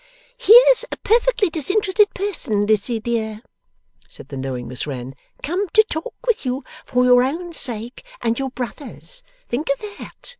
'Here's a perfectly disinterested person, Lizzie dear,' said the knowing Miss Wren, 'come to talk with you, for your own sake and your brother's. Think of that.